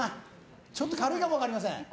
ちょっと軽いかも分かりません。